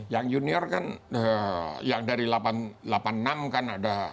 yang junior kan yang dari delapan puluh enam kan ada